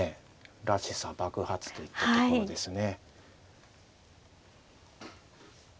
らしさ爆発といったところですね。